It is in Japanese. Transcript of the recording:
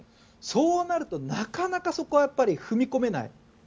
そうなるとなかなかそこは踏み込めない。